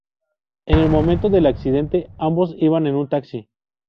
En el momento del accidente, ambos iban en un taxi.